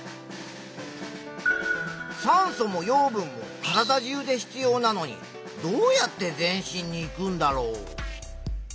酸素も養分も体中で必要なのにどうやって全身にいくんだろう？